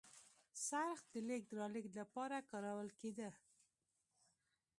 څرخ د لېږد رالېږد لپاره کارول کېده.